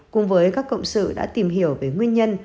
cùng với các cộng sự đã tìm hiểu về nguyên nhân